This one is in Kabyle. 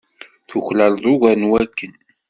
Tuklaleḍ ugar n wakken.